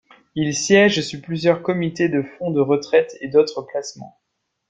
Il siège sur plusieurs comités de fonds de retraite et d'autres placements.